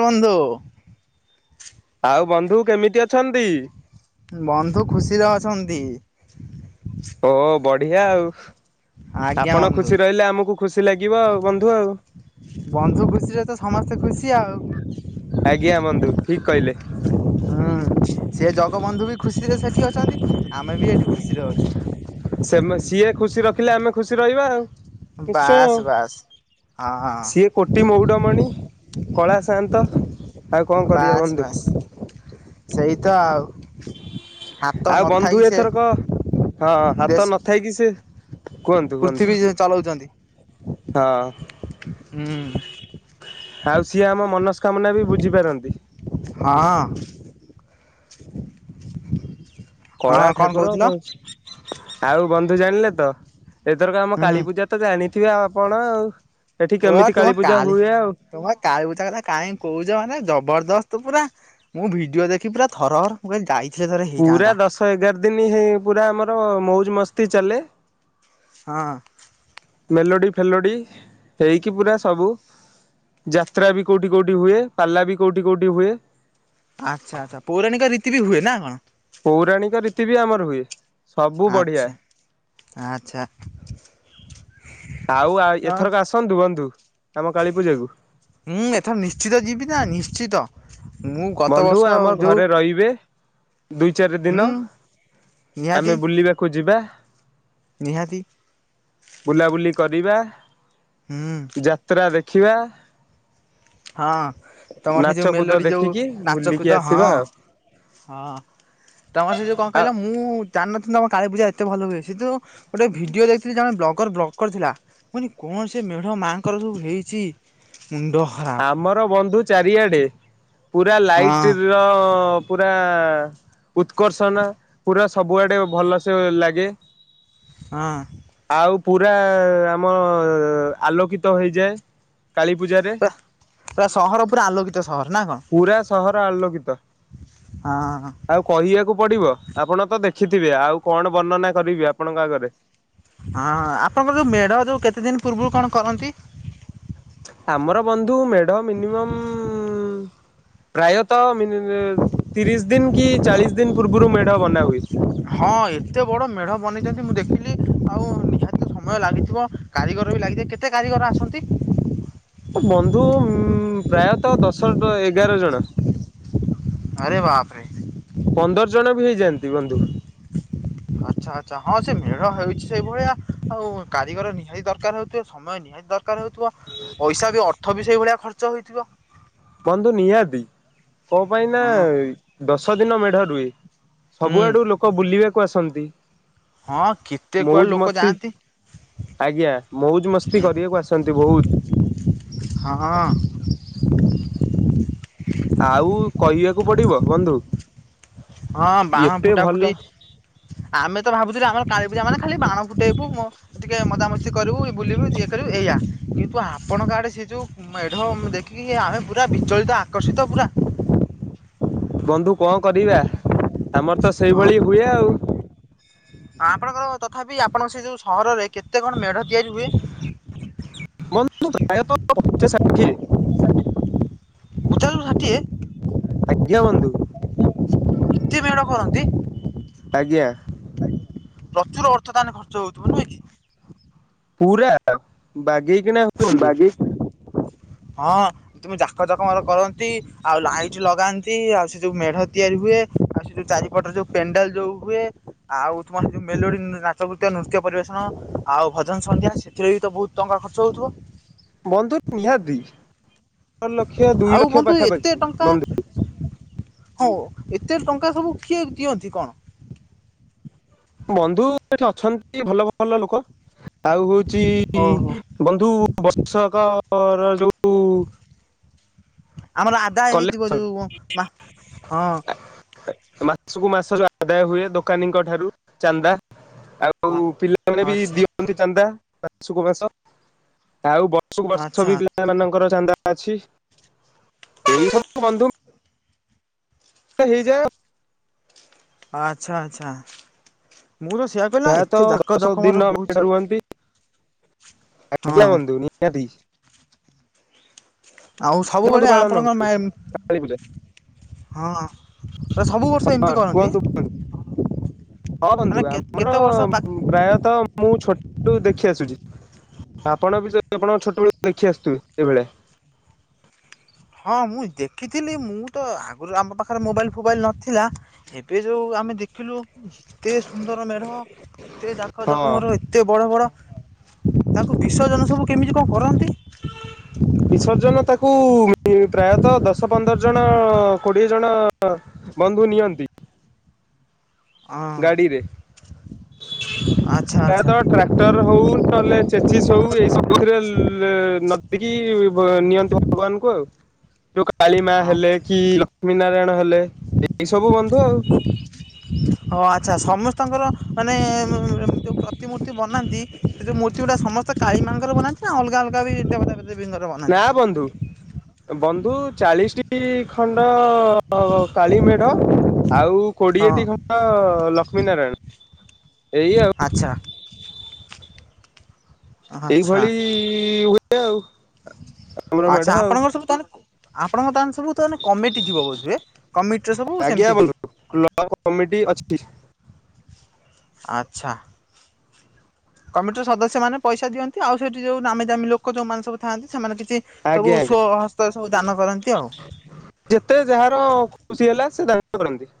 କୁହନ୍ତୁ ଆଉ ବନ୍ଧୁ କେମିତି ଅଛନ୍ତି ବନ୍ଧୁ ଖୁସିରେ ଅଛନ୍ତି ଓ ବଢିଆ ଆଉ ଆଜ୍ଞା ଆପଣ ବନ୍ଧୁ ଖୁସି ରହିଲେ ଆମକୁ ଖୁସି ଲାଗିବ ଆଉ ବନ୍ଧୁ ଆଉ ବନ୍ଧୁ ଖୁସିରେ ତ ସମସ୍ତେ ଖୁସି ଆଉ ଆଜ୍ଞା ବନ୍ଧୁ ଠିକ୍ କହିଲେ ହୁଁ ସେ ଜଗବନ୍ଧୁ ବି ଖୁସିରେ ସେଠି ଅଛନ୍ତି ଆମେ ବି ଏଠି ଖୁସିରେ ଅଛୁ ସେ ସିଏ ଖୁସି ରଖିଲେ ଆମେ ଖୁସି ରହିବା ଆଉ ବାସ୍ ବାସ୍ ନିଶ୍ଚୟ ହଁ ହଁ ସିଏ କୋ ଟି ମଉଡ଼ମଣି କଳା ସାହାନ୍ତ ବାସ୍ ବାସ୍ ସେଇ ତ ଆଉ ହାତ ଆଉ ବନ୍ଧୁ ନଥାଇକି ସେ ଏଥର କ ହଁ ହାତ ଦେଶ ନ ଥାଇକି ସେ କୁହନ୍ତୁ କୁହନ୍ତୁ ପୃଥିବୀ ଚଲଉଛନ୍ତି ହଁ ହୁଁ ମାଉସୀ ଆମ ମନସ୍କାମନା ବି ବୁଝିପାରନ୍ତି ହଁ ହ କଳା ଠାକୁର କହୁଥିଲ କ ଆଉ ବନ୍ଧୁ ଜାଣିଲେ ତ ଏଥରକ ଆମ ହୁଁ କାଳୀ ପୂଜା ତେ ଜାଣିଥିବେ ଆଉ ଆପଣ ଆଉ ଏଠି କେମିତି କାଳୀ ପୂଜା ହୁଏ ଆଉ ତମ କାଳୀ ପୂଜା କଥା କାଇହିଁ କହୁଛ ମାନେ ଜବରଦସ୍ତ ପୁରା ମୁଁ ଭିଡିଓ ଦେଖି ପୁରା ଥରହର ମୁଁ କହିଲି ଯାଇଥିଲେ ଥରେ ପୁରା ହେଇଥାନ୍ତା ଦଶ ଏଗାର ଦିନ ହେ ପୁରା ଆମର ମଉଜ ମସ୍ତି ଚାଲେ ହଁ ମେଲୋଡି ଫେଲୋଡି ହେଇକି ପୁରା ସବୁ ଯାତ୍ରା ବି କୋଉଠି କୋଉଠି ହୁଏ ପାଲା ବି କୋଉଠି କୋଉଠି ହୁଏ। ଆଚ୍ଛା ଆଚ୍ଛା ପୌରାଣିକ ରୀତି ବି ହୁଏ ନା କଣ। ପୌରାଣିକ ରୀତି ବି ଆମର ହୁଏ। ସବୁ ବଢିଆ ଆଚ୍ଛା ଆଚ୍ଛା। ଆଉ ଆ ହଁ ଏଥରକ ଆସନ୍ତୁ ବନ୍ଧୁ ଆମ କାଳୀ ପୂଜା କୁ। ହୁଁ ଏଥର ନିଶ୍ଚିତ ଯିବି ନା ନିଶ୍ଚିତ ମୁଁ ଗତ ବନ୍ଧୁ ବର୍ଷ ଆମ ଯୋଉ ଘରେ ରହିବେ ଦୁଇ ଚାରି ହୁଁ ଦିନ ଆମେ ନିହାତି ବୁଲିବାକୁ ଯିବା। ନିହାତି। ବୁଲାବୁଲି କରିବା। ହୁଁ। ଯାତ୍ରା ଦେଖିବା। ହଁ ତମର ସେ ଯୋଉ ନାଚକୁଦ ମେଲୋଡି ଯୋଉ ଦେଖିକି ନାଚ ବୁଲିକି କୁଦ ହଁ ଆସିବା ଆଉ। ହଁ ତମର ସେ ଯୋଉ କଣ ଆ କହିଲ ମୁଁ ଜାଣିନଥିଲି ତମ କାଳୀ ପୂଜା ଏତେ ଭଲ ହୁଏ ସେ ଯୋଉ - ଗୋଟେ ଭିଡିଓ ଦେଖିଥିଲି ଜଣେ ବ୍ଲଗର ବ୍ଲଗ କରିଥିଲା। ମୁଁ କହିନି କଣ ସେ ମେଢ ମାଙ୍କ ର ସବୁ ହେଇଛି ମୁଣ୍ଡ ଖରାପ। ଆମର ବନ୍ଧୁ ଚାରିଆଡେ ପୁରା ହଁ ଲାଇଟ ର ପୁରା ଉତ୍କର୍ଷନା ପୁରା ସବୁଆଡ଼େ ଭଲସେ ଲାଗେ। ହଁ। ଆଉ ପୁରା ଆମ ଆଲୋକିତ ହୋଇଯାଏ କାଳୀ ପୂଜାରେ। ପୁରା ପୁରା ସହର ପୁରା ଆଲୋକି ତ ସହର ନାଁ ପୁରା ସହର ଆଲୋକିତ। ହଁ। ଆଉ କହିବାକୁ ପଡିବ ଆପଣ ତ ଦେଖିଥିବେ ଆଉ କଣ ବର୍ଣ୍ଣନା କରିବି ଆପଣଙ୍କ ଆଗରେ। ହଁ ଆପଣଙ୍କର ଯୋଉ ମେଢ ଯୋଉ କେତେ ଦିନ ପୂର୍ବରୁ କଣ କରନ୍ତି? ଆମର ବନ୍ଧୁ ମେଢ ମିନିମମ୍ ପ୍ରାୟତଃ ମି ତିରିଶ ଦିନ କି ଚାଳିଶ ଦିନ ପୂର୍ବରୁ ମେଢ ବନା ହୁଏ। ହଁ ଏତେ ବଡ଼ ମେଢ଼ ବନେଇଛନ୍ତି ମୁଁ ଦେଖିଲି ଆଉ ନିହା ସମୟ ଲାଗିଥିବ କାରିଗର ବି ଲାଗିଥିବେ କେତେ କାରିଗର ଆସନ୍ତି? ବନ୍ଧୁ ଉଁ ପ୍ରାୟତଃ ଦଶଟା ଏଗାର ଜଣ। ଆରେ ବାପ୍ ରେ। ପନ୍ଦର ଜଣ ବି ହେଇଯାଆନ୍ତି ବନ୍ଧୁ। ଆଚ୍ଛା ଆଚ୍ଛା ହଁ ସେ ମେଢ ହେଇଛି ସେଇ ଭଳିଆ ଆଉ କାରିଗର ନିହାତି ଦରକାର ହଉଥିବେ ସମୟ ନି ନିହାତି ଦରକାର ହେଉଥିବ ପଇସା ବି ଅର୍ଥ ବି ସେଇଭଳିଆ ଖର୍ଚ୍ଚ ହୋଇଥିବ। ବନ୍ଧୁ ନିହାତି କଣ ପାଇଁ ନା ହଁ ଦଶ ଦିନ ମେଢ ରୁହେ। ହୁଁ ସବୁ ଆଡୁ ଲୋକ ବୁଲିବାକୁ ଆସନ୍ତି। ହଁ କେତେ ମଉଜ କୁଆଡେ ଲୋକ ମସ୍ତି ଯାଆନ୍ତି। ଆଜ୍ଞା ମଉଜ ମସ୍ତି କରିବାକୁ ଆସନ୍ତି ବହୁତ। ହଁ। ଆଉ କହିବାକୁ ପଡିବ ବନ୍ଧୁ। ହଁ ବାଣ ଏତେ ଫୁଟା ଭଲ ଫୁଟି ଆମେ ତ ଭାବୁଥିଲୁ ଆମର କାଳୀପୂଜା ମାନେ ଖାଲି ବାଣ ଫୁଟେଇବୁ ମ ଟିକେ ମଜା ମସ୍ତି କରିବୁ ବୁଲିବୁ ଇଏ କରିବୁ ଏଇଆ। କିନ୍ତୁ ଆପଣଙ୍କ ଆଡେ ସେ ଯୋଉ ମେଢ ମୁଁ ଦେଖିକି ଆମେ ପୁରା ବିଚଳିତ ଆକର୍ଷିତ ପୁରା। ବନ୍ଧୁ କଣ କରିବା ଆମର ତ ହଁ ସେଇଭଳି ହୁଏ ଆଉ। ଆପଣଙ୍କର ତଥାପି ଆପଣଙ୍କ ସେଇ ଯୋଉ ସହରରେ କେତେ କଣ ମେଢ ତିଆରି ହୁଏ? ବନ୍ଧୁ ପ୍ରାୟତଃ ପଚାଶ ଷାଠିଏ। [inaudible] ପଚାଶ ରୁ ଷାଠିଏ। ଆଜ୍ଞା ବନ୍ଧୁ। ଏମିତି ମେଢ କରନ୍ତି? ଆଜ୍ଞା। ପ୍ରଚୁର ଅର୍ଥ ତାହେଲେ ଖର୍ଚ୍ଚ ହଉଥିବ ନୁହେଁ କି? ପୁରା ବାଗେଇକିନା ରୁହନ୍ତୁ। [inaudible] ହଁ ତୁମେ ଜାକ ଜାକମର କରନ୍ତି ଆଉ ଲାଇଟ୍ ଲଗାନ୍ତି ଆଉ ସେ ଯୋଉ ମେଢ଼ ତିଆରି ହୁଏ ଆଉ ସେ ଯୋଉ ଚାରିପଟରେ ଯୋଉ ପେଣ୍ଡାଲ ଯୋଉ ହୁଏ ଆଉ ତୁମର ସେଠି ଯୋଉ ମେଲୋଡି ନାଚ ନୃତ୍ୟ ନୃତ୍ୟ ପରିବେଷଣ ଆଉ ଭଜନ ସନ୍ଧ୍ୟା ସେଥିରେ ବି ତ ବହୁତ ଟଙ୍କା ଖ ର୍ଚ୍ଚ ହଉଥିବ? ବନ୍ଧୁ ନିହାତି [inaudible] ଲକ୍ଷେ ଦୁଇ ଆଉ ଲକ୍ଷ ବନ୍ଧୁ ଏତେ ପାଖାପାଖି ଟଙ୍କା ବନ୍ଧୁ। ହଉ ଏତେ ଟଙ୍କା ସବୁ କିଏ ଦିଅନ୍ତି କଣ? ବନ୍ଧୁ ଏଠି ଅଛନ୍ତି ଭଲ ଭଲ ଲୋକ ଆଉ ହଉଛି ଓହୋ ବନ୍ଧୁ ବର୍ଷକର ଯୋଉ ଆମର ଆଦାୟ ହେଇଥିବ କଲେକ୍ସନ ଯୋଉ ମା ହଁ। ସେ-ସେ ମାସୁକୁ ମାସ ଯୋଉ ଆଦାୟ ହୁଏ ଦୋକାନୀଙ୍କ ଠାରୁ ଚାନ୍ଦା ଆଉ ଆଉ ପିଲାମାନେ ବି ଆଚ୍ଛା ଦିଅନ୍ତି ଚାନ୍ଦା ମାସୁକୁ ମାସ। ଆଉ ବର୍ଷକୁ ବର୍ଷ ଆଚ୍ଛା ବି ପିଲାମାନଙ୍କର ଚାନ୍ଦା ଅଛି। ଏଇ ସବୁ ବନ୍ଧୁ। ହେଇଯାଏ। ଆଚ୍ଛା-ଆଚ୍ଛା ମୁଁ ତ ସେଇଆ କହିଲି ନା ପ୍ରାୟତଃ ଏତେ ଜାକ ଦଶ ଦିନ ଜକମର ମେଢ ହଉଚି ରୁହନ୍ତି ଆଜ୍ଞା ବନ୍ଧୁ ନିହାତି। ଆଉ ବନ୍ଧୁ ସବୁବେଳେ ପାଳନ ହୁଏ ଆପଣଙ୍କ କାଳୀ ପୂଜା [unintelligible] ହଁ ସବୁ ବର୍ଷ ହଁ ଏମ୍ତି କରନ୍ତି। କୁହନ୍ତୁ କୁହନ୍ତୁ ହଁ ମାନେ ବନ୍ଧୁ ଆମର କେତେ ବର୍ଷ ପ୍ରାୟତଃ ମୁଁ [unintelligible] ଦେଖି ଆସୁଚି। ଆପଣ ବି ତ ଆପଣଙ୍କ ଛୋଟବେଳକୁ ଦେଖି ଆସୁଥିବେ ଏଇଭଳିଆ। ହଁ ମୁଁ ଦେଖିଥିଲି ମୁଁ ତ ଆଗରୁ ଆମ ପାଖରେ ମୋବାଇଲ୍ ଫୋବାଇଲ୍ ନଥି ଥିଲା ଏବେ ଯୋଉ ଆମେ ଦେଖିଲୁ ଏତେ ସୁନ୍ଦର ମେଢ଼ ଏତେ ଜାକ୍ ହଁ ଜକମ୍ ର ଏତେ ବଡ଼-ବଡ଼ ତାକୁ ବିସର୍ଜନ ସବୁ କେମ୍ତି କଣ କରନ୍ତି? ବିସର୍ଜନ୍ ତାକୁ ପ୍ରାୟତଃ ଦଶ ପନ୍ଦର ଜଣ କୋଡିଏ ଜଣ ବନ୍ଧୁ ନିଅନ୍ତି। ହଁ ଗାଡିରେ ଆଚ୍ଛା ଆଚ୍ଛା ପ୍ରାୟତଃ ଟ୍ରାକ୍ଟର୍ ହଉ ନହେଲେ [unintelligible] ହଉ ଏଇ ସବୁଥିରେ ନଦିକି ନିଅନ୍ତି ଭଗବାନ୍ ଙ୍କୁ ଆଉ। ଯୋଉ କାଳୀ ମା ହେଲେ ଆଚ୍ଛା କି ଲକ୍ଷ୍ମୀ ନାରାୟଣ ହେଲେ ଏଇ ସବୁ ବନ୍ଧୁ ଆଉ। ହଁ ଆଚ୍ଛା ସମସ୍ତଙ୍କର ମାନେ ଯୋଉ ପ୍ରତିମୂର୍ତ୍ତି ବନାନ୍ତି ସେ ଯୋଉ ମୂର୍ତ୍ତି ଗୁରା ସମସ୍ତେ କାଳୀ ମା ଙ୍କର ବନାନ୍ତି ନା ଅଲଗା-ଅଲଗା ବି [unintelligible] ନା ବନାନ୍ତି ବନ୍ଧୁ-ବନ୍ଧୁ ଚାଳିଶିଟି ଖଣ୍ଡ କାଳୀ ମେଢ଼ ଆଉ ହଁ କୋଡିଏଟି ଖଣ୍ଡ ଲକ୍ଷ୍ମୀ ନାରାୟଣ। ଏଇ ଆଉ। ଆଚ୍ଛା ଆଚ୍ଛା ଏଇଭଳି ହୁଏ ଆଉ। ଆମର ମେଢ ଆଚ୍ଛା ଆଉ ଆପଣଙ୍କର ସବୁ ତାହେଲେ ଆପଣଙ୍କ ତାହେଲେ ସବୁ ତାହେଲେ କମିଟି ଥିବ ବୋଧହୁଏ? କମିଟିର ସବୁ ସେମିତି ଆଜ୍ଞା ହୁଏ ବନ୍ଧୁ କ୍ଲବ୍ କମିଟି ଅଛିଟି। ଆଚ୍ଛା। କମିଟିର ସଦସ୍ୟ ମାନେ ପଇସା ଦିଅନ୍ତି ଆଉ ସେଇଠି ଯୋଉ ନାମି ଦାମୀ ଲୋକ ଯୋଉମାନେ ସବୁ ଥାନ୍ତି ସେମାନେ କିଛି ସବୁ ଆଜ୍ଞା ଆଜ୍ଞା ସ୍ଵ ହସ୍ତରେ ସବୁ ଦାନ କରନ୍ତି ଆଉ। ଯେତେ ଯାହାର ଖୁସି ହେଲା ସେ ଦାନ କରନ୍ତି।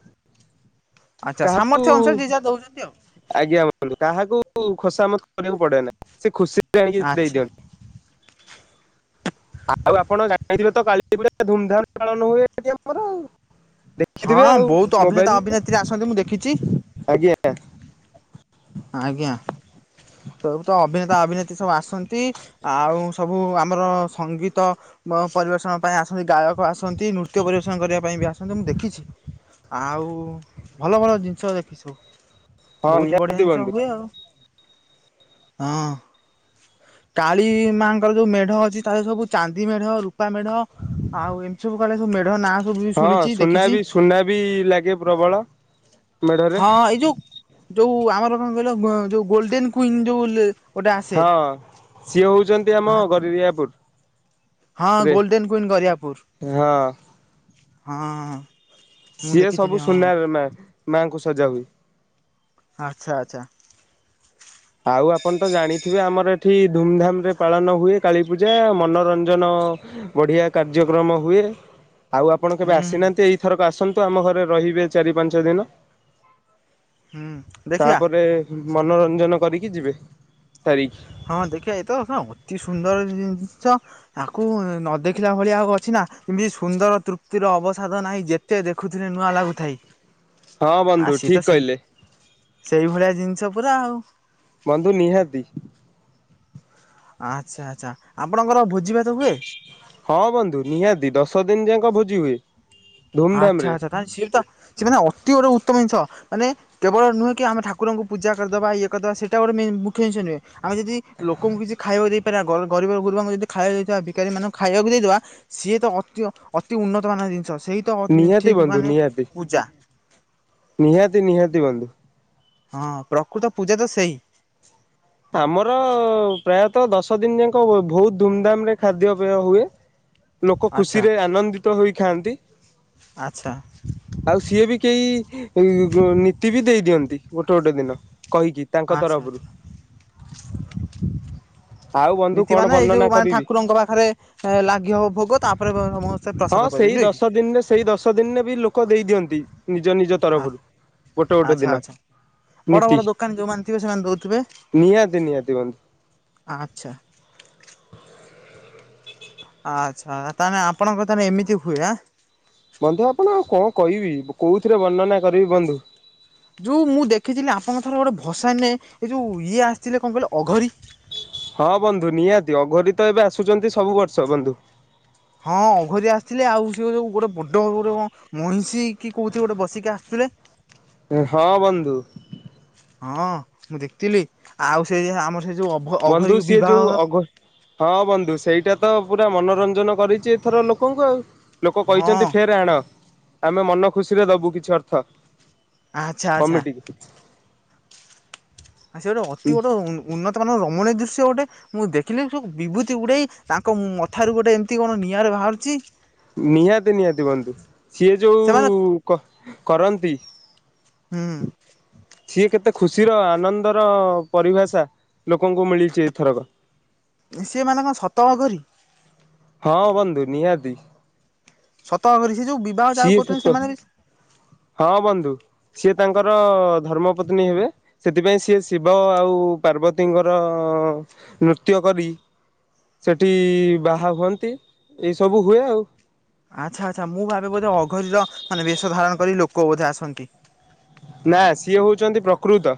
ଆଚ୍ଛା କାହାକୁ ସାମର୍ଥ୍ୟ ଅନୁସାରେ ଯିଏ ଯାହା ଦଉଚନ୍ତି ଆଉ। ଆଜ୍ଞା ବନ୍ଧୁ କାହାକୁ ଖୋସାମତ୍ କରିବାକୁ ପଡେ ନା ସେ ଖୁସିରେ ଆଣିକି ଆଚ୍ଛା ଦେଇଦିଅନ୍ତି। ଆଉ ଆପଣ ଜାଣିଥିବେ ତ କାଳୀ ପୂଜା ଧୁମଧାମ୍ ପାଳନ ହୁଏ ଏଠି ଆମର ଆଉ। ଦେଖଥିବେ ହଁ ଆଉ ବହୁତ ଅଭିନେତା ମୋବାଇଲୁ ଅଭିନେତ୍ରୀ ଆସନ୍ତି ମୁଁ ଦେଖିଛି ରୁ। ଆଜ୍ଞା ତ-ତ ଅଭିନେତା ଅଭିନେତ୍ରୀ ସବୁ ଆସନ୍ତି। ଆଉ ସବୁ ଆମର ସଙ୍ଗୀତ ପରିବେଷଣ ପାଇଁ ଆସନ୍ତି ଗାୟକ ଆସ ନ୍ତି ନୃତ୍ୟ ପରିବେଷଣ କରିବା ପାଇଁ ବି ଆସନ୍ତି ମୁଁ ଦେଖିଛି। ଆଉ ଭଲ-ଭଲ ଜିନିଷ [unintelligible] ସବୁ ହଁ ବହୁତ୍ ବଢ଼ିଆ ନିହାତି ବନ୍ଧୁ। ହୁଏ ଆଉ। କାଳୀ ମାଙ୍କର ଯୋଉ ମେଢ ଅଛି ତାଦେରେ ସବୁ ଚାନ୍ଦି ମେଢ [unintelligible] ମେଢ ଆଉ ଏମ୍ତି ସବୁ କାଳେ ସବୁ ମେଢ ନା ହଁ ସୁନା ବି ସୁନା ବି ଲାଗେ ପ୍ରବଳ। ମେଢରେ ହଁ ଏଇ ଯୋଉ ଯୋଉ ଆମର କଣ କହିଲ ଯୋଉ ଗୋଲଡେନ କୁଇନ ଯୋଉ ଗୋଟେ ଆସେ ହଁ ସିଏ ହଉଛନ୍ତି ଆମ ଗରିରିଆପୁର ହଁ ରେ ଗୋଲଡେନ କୁଇନ ଗରିଆପୁର ହଁ ହଁ ମୁଁ ସିଏ ଦେଖିଥିଲି ସବୁ ହଁ ସୁନାର ମା ମାଙ୍କୁ ସଜା ହୁଏ। ଆଚ୍ଛା ଆଚ୍ଛା ଆଉ ଆପଣ ତ ଜାଣିଥିବେ ଆମର ଏଠି ଧୁମଧାମ ରେ ପାଳନ ହୁଏ କାଳୀପୂଜା ମନୋରଞ୍ଜନ ବଢିଆ କାର୍ଯ୍ୟକ୍ରମ ହୁଏ। ଆଉ ଆପଣ କେବେ ହୁଁ ଆସିନାହାନ୍ତି ଏଇଥରକ ଆସନ୍ତୁ ଆମ ଘରେ ରହିବେ ଚାରି ପାଞ୍ଚ ଦିନ। ହୁଁ ଦେଖିବା ତାପରେ ମନୋରଞ୍ଜନ କରିକି ଯିବେ ସାରିକି ହଁ ଦେଖିବା ଏ ତ ଅତି ସୁନ୍ଦର ଜିନିଷ। ତାକୁ ନ ଦେଖିଲା ଭଳିଆ ଆଉ ଅଛି ନା ଏମିତି ସୁନ୍ଦର ତୃପ୍ତିର ଅବସାଦ ନାହିଁ ଯେ ଯେତେ ଦେଖୁଥିଲେ ନୂଆ ଲାଗୁଥାଏ ହଁ ବନ୍ଧୁ ଆସି ଠିକ ତ ସେ କହିଲେ। ସେଇ ଭଳିଆ ଜିନିଷ ପୁରା ଆଉ ବନ୍ଧୁ ନିହାତି। ଆଚ୍ଛା ଆଚ୍ଛା ଆପଣଙ୍କର ଭୋଜି ଭାତ ହୁଏ। ହଁ ବନ୍ଧୁ ନିହାତି ଦଶ ଦିନ ଯାକ ଭୋଜି ହୁଏ। ଧୁମଧାମ ଆଚ୍ଛା ରେ। ଆଚ୍ଛା ତାେ ସିଏ ତ ସିଏ ମାନେ ଅତି ଗୋଟେ ଉତ୍ତମ ଜିନିଷ ମାନେ କେବଳ ନୁହେଁ କି ଆମେ ଠାକୁରଙ୍କୁୂ ପୂଜା କରିଦବା ଇଏ କରିଦବା ସେଟା ଗୋଟେ ମୁଖ୍ୟ ଜିନଷ ନୁହେଁ। ଆମେ ଯଦି ଲୋକଙ୍କୁ କିଛି ଖାଇବାକୁ ଦେଇପାରିବା ଗରିବ ଗୁରୁବଙ୍କୁ ଯଦି ଖାଇବାକୁ ଦେଇଦବା ବିକାରୀମାନାନଙ୍କୁ ଖାଇବାକୁ ଦେଇଦବା। ସିଏ ତ ଅତି ଅତି ଉନ୍ନତ ମାନ ଜିନିଷ ସେଇ ତ ନିହାତି ଠିକ୍ ବନ୍ଧୁ ମାନେ ନିହାତି ପୂଜା। ନିହାତି ନିହାତି ବନ୍ଧୁ। ହଁ ପ୍ରକୃତ ପୂଜା ତ ସେଇ। ଆମର ପ୍ରାୟତଃ ଦଶ ଦିନ ଯାକ ବହୁତ ଧୁମଧାମ ରେ ଖାଦ୍ୟପେୟ ହୁଏ। [inaudible] ଲୋକ ଆଚ୍ଛା ଖୁସିରେ ଆନନ୍ଦିତ ହେଇ ଖାଆନ୍ତି। ଆଚ୍ଛା। ଆଉ ସିଏ ବି କେହି ନୀତି ବି ଦେଇଦିଅନ୍ତି ଗୋଟେ ଗୋଟେ ଦିନ କହିକି। ତାଙ୍କ ଆଚ୍ଛା ତରଫରୁ। ଆଚ୍ଛା [inaudible] ଆଉ ବନ୍ଧୁ ନୀତି କଣ ମାନେ ଏଇ ବର୍ଣ୍ଣନା ଯୋଉ ମାନେ କରିବି? ଠାକୁରଙ୍କ ପାଖରେ ଲାଗି ହବ ଭୋଗ ତାପରେ ସମସ୍ତେ ହଁ ପ୍ରସାଦ ପାଇବେ ସେଇ ନୁହେ ଦଶ କି। ଦିନରେ ସେଇ ଦଶ ଦିନରେ ବି ଲୋକ ଦେଇ ଦିଅନ୍ତି ନିଜ ନିଜ ତରଫରୁ ଗୋଟେ ଗୋଟେ ଦିନ ନୀତି କାଇଁ ଯୋଉମାନେ ଥିବେ ସେମାନେ ଦଉଥିବେ। ନିହାତି ନିହାତି ବ ଆଚ୍ଛା। ଆଚ୍ଛା ତାହେଲେ ଆପଣଙ୍କ ତାହେଲେ ଏମିତି ହୁଏ ଆ। ବନ୍ଧୁ ଆପଣ କଣ କହିବି କୋଉଥିରେ ବର୍ଣ୍ଣନା କରିବି ବନ୍ଧୁ। ଯେଉଁ ମୁଁ ଦେଖିଥିଲି ଆପଣଙ୍କ ଥରେ ଗୋଟେ ଭସାଣି ନର ଏ ଯେଉଁ ଇଏ ଆସିଥିଲେ କଣ କହିଲେ ଅଘରୀ। ହଁ ବନ୍ଧୁ ନିହାତି ଅଘରୀ ତ ଏବେ ଆସୁଛନ୍ତି ସବୁ ବର୍ଷ ବନ୍ଧୁ। ହଁ ଅଘରି ଆସିଥିଲେ ଆଉ ସେଏ ଯୋଉ ଗୋଟେ ବଡ ଗୋଟେ କ ମଇଁଷି କି କୋଉି ଗୋଟେ ବସିକି ଆସୁଥିଲେ। ହଁ ବନ୍ଧୁ। ହଁ ମୁଁ ଦେଖିଥିଲି ଆଉ ସେ ଯ ଆମର ସେ ଯୋଉ ଅଘରୀ ବନ୍ଧୁ ସିଏ ବିବାହ ଯୋଉ ଅଘ ହଁ ବନ୍ଧୁ ସେଇଟା ତ ପୁରା ମନୋରଞ୍ଜନ କରିଚି ଏଥର ଲୋକଙ୍କୁ ଆଉ। ଲୋକ କହିଚନ୍ତି ହଁ ଫେରେ ଆଣ ଆମେ ମନ ଖୁସିରେ ଦୋବୁ କିଛି ଅର୍ଥ। ଆଚ୍ଛା ଆଚ୍ଛା। କମିଟି। ଆ ସେ ଗୋଟେ ଅତି ଗୋଟେ ଉ-ଉନ୍ନତ ମାନର ରମଣିୟ ଦୃଶ୍ୟ ଗୋଟେ। ମୁଁ ଦେଖିଲି ସବୁ ବିଭୂତି ଗୁଡେଇ ତାଙ୍କ ମଥାରୁ ଗୋଟେ ଏମିତି କଣ ନିଆଁରେ ବାହାରୁଚି। ନିହାତି ନିହାତି ବନ୍ଧୁ ସିଏ ଯୋଉ ସେମାନେ କ-କରନ୍ତି। ହୁଁ। ସିଏ କେତେ ଖୁସିର ଆନନ୍ଦର ପରିଭାଷା ଲୋକଙ୍କୁ ମିଳିଚି ଏଇଥରକ। ସିଏ ମାନେ କଣ ସତ ଅଘୋରି? ହଁ ବନ୍ଧୁ ନିହାତି। ସତ ଅଘରି ସେ ଯୋଉ ବି ବିବାହ ଯାହାକୁ ସିଏ କରୁଛନ୍ତି ସତ ସେମାନେ ହଁ ବନ୍ଧୁ। ସିଏ ତାଙ୍କର ଧର୍ମ ପତ୍ନୀ ହେବେ। ସେଥିପାଇଁ ସିଏ ଶିବ ଆଉ ପାର୍ବତୀଙ୍କର ନୃତ୍ୟ କରି ସେଠି ବାହା ହୁଅନ୍ତି ଏଇ ସବୁ ହୁଏ ଆଉ। ଆଚ୍ଛା ଆଚ୍ଛା ମୁଁ ଭାବେ ବୋଧେ ଅଘରୀର ମାନେ ବେଶ ଧାରଣ କରି ଲୋକ ବୋଧେ ଆସନ୍ତି। ନା ସିଏ ହଉଚନ୍ତି ପ୍ରକୃତ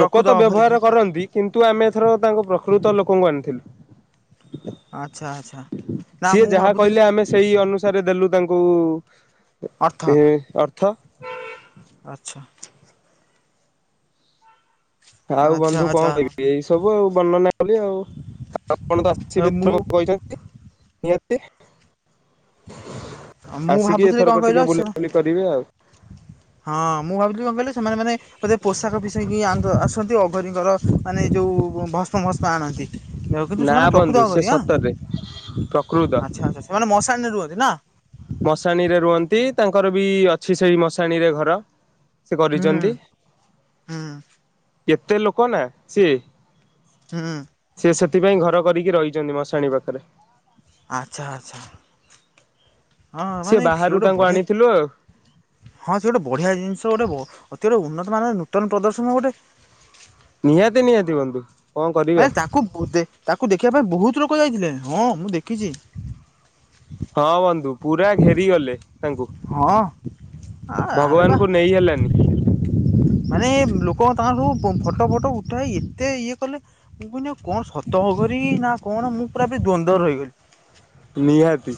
ଲୋକ ତ ଅଭରି ଯେ ବ୍ୟବହାର କରନ୍ତି। କିନ୍ତୁ ଆମେ ଏଥର ତାଙ୍କ ପ୍ରକୃତ ଲୋକଙ୍କୁ ଆଣିଥିଲୁ। ଆଚ୍ଛା ଆଚ୍ଛା। ନା ସିଏ ମୁଁ ଯାହା ଭାବୁଥିଲି କହିଲେ ଆମେ ସେଇ ଅନୁସାରେ ଦେଲୁ ତାଙ୍କୁ ଅର୍ଥ ଏ ଅର୍ଥ। ଆଚ୍ଛା। ଆଉ ଆଚ୍ଛା ବନ୍ଧୁ ଆଚ୍ଛା। କଣ କହିବି ଏଇ ସବୁ ଆଉ ବର୍ଣ୍ଣନା କଲି ଆଉ ଆପଣ ତ ଆସିବେ ମୁଁ ଏଥର କହିଚ ନ୍ତି ନିହାତି ମୁଁ ଆସିକି ଭାବୁଥିଲି କଣ ଏଥରକ କହିଲ ଟିକେ ସେ ବୁଲା ବୁଲି କରିବେ ଆଉ। ହଁ ମୁଁ ଭାବିଲି କଣ କହିଲେ ସେମାନେ ମାନେ ବୋଧ ପୋଷାକ ପିଷାକି ଆଣୁଚ ଆସୁଚନ୍ତି ଅଘୋରୀଙ୍କର ମାନେ ଯୋଉ ଭସ୍ମ ଫସ୍ମ ଆଣନ୍ତି। ଏ କିନ୍ତୁ ନା ସେମାନେ ପ୍ରକୃତ ବନ୍ଧୁ ସେ ଅଘୋରୀ ଆଁ ସତରେ ପ୍ରକୃତ। ଆଚ୍ଛା ଆଚ୍ଛା ସେମାନେ ମଶାଣି ରୁହନ୍ତି ନା। ମଶାଣିରେ ରୁହନ୍ତି ତାଙ୍କର ବି ଅଛି ସେଇ ମଶାଣିରେ ଘର ସେ ହୁଁ କରିଚନ୍ତି। ହୁଁ କେତେ ଲୋକ ନା ସିଏ। ହୁଁ। ସେ ସେଥିପାଇଁ ଘର କରିକି ରହିଚନ୍ତି ମଶାଣି ପାଖରେ। ଆଚ୍ଛା ଆଚ୍ଛା। ହଁ ସିଏ ମାନେ ସେ ବାହାରୁ ଗୋଟେ ତାଙ୍କୁ ବଢିଆ ଆଣିଥିଲୁ ଆଉ ହଁ ସେ ଗୋଟେ ବଢିଆ ଜିନିଷ ଗୋଟେ ବ ଅତି ଗୋଟେ ଉନ୍ନତ ମାନ ନୂତନ ପ୍ରଦର୍ଶନ ଗୋଟେ। ନିହାତି ନିହାତି ବନ୍ଧୁ। କଣ କରିବା। ମାନେ ତାଙ୍କୁ ଦେ ତାକୁ ଦେଖିବା ପାଇଁ ବୋହୁତ ଲୋକ ଯାଇଥିଲେ ହଁ ମୁଁ ଦେଖିଚି। ହଁ ବନ୍ଧୁ ପୁରା ଘେରି ଗଲେ। ହଁ ଆ ଆରେ ବାଃ। ଭଗବାନଙ୍କୁ ନେଇ ହେଲାନି ମାନେ ଲୋକ ତାଙ୍କଠୁ ପ ଫଟ ଫଟ ଉଠେଇକି ଏତେ ଇଏ କଲେ। ମୁଁ କହନି କଣ ସତ ଅଘୋରୀ ନା କଣ ମୁଁ ପୁରା ବି ଦ୍ଵନ୍ଦ ରହିଗଲି। ନିହାତି।